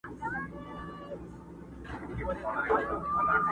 ما سوري كړي د ډبرو دېوالونه؛